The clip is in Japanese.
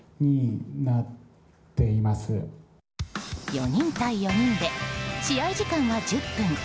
４人対４人で試合時間は１０分。